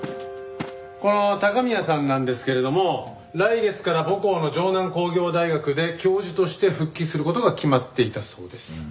この高宮さんなんですけれども来月から母校の城南工業大学で教授として復帰する事が決まっていたそうです。